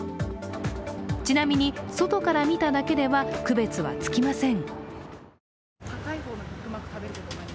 ちなみに外から見ただけでは区別はつきません。